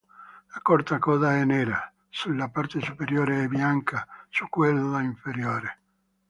La corta coda è nera sulla parte superiore e bianca su quella inferiore.